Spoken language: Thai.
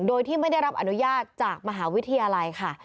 โดยที่ไม่ได้รับอนุญาตจากมหาวิทยาลัยค่ะ